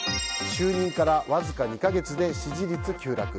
就任からわずか２か月で支持率急落。